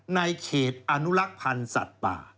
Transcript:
ในเขตอนุรักษณ์สัตว์ป่า